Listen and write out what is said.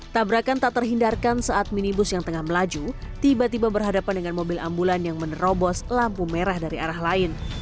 tabrakan tak terhindarkan saat minibus yang tengah melaju tiba tiba berhadapan dengan mobil ambulan yang menerobos lampu merah dari arah lain